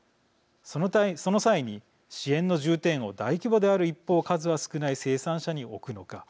その際に支援の重点を大規模である一方数は少ない生産者に置くのか